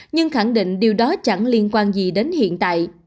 nhưng khẳng định điều đó chẳng liên quan gì đến hiện tại